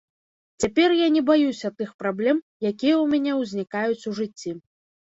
Цяпер я не баюся тых праблем, якія ў мяне ўзнікаюць у жыцці.